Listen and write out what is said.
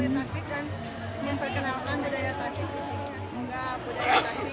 kostum karya desainer lokal ini menggunakan bahan dasar menarik